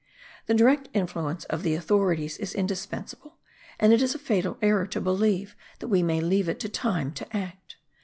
The direct influence of the authorities is indispensable; and it is a fatal error to believe that we may leave it to time to act.